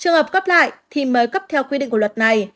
trường hợp gấp lại thì mới gấp theo quy định của luật này